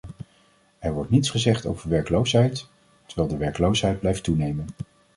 Er wordt niets gezegd over werkloosheid, terwijl de werkloosheid blijft toenemen.